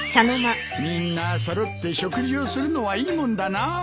みんな揃って食事をするのはいいもんだなあ。